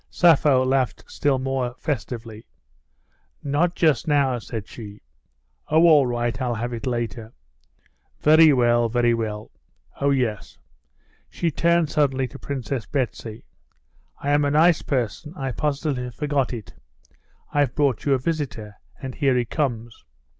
Sappho laughed still more festively. "Not just now," said she. "Oh, all right, I'll have it later." "Very well, very well. Oh, yes." She turned suddenly to Princess Betsy: "I am a nice person ... I positively forgot it ... I've brought you a visitor. And here he comes."